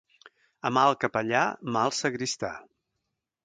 A mal capellà, mal sagristà.